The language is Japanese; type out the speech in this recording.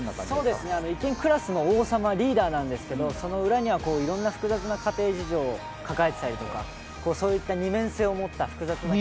一見、クラスの王様、リーダーなんですけど、その裏にはいろんな、複雑な家庭事情を抱えていたりとか、そういった二面性を持った複雑な。